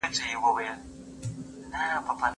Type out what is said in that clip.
د لويي جرګې تاریخي اسناد چېرته موندل کېږي؟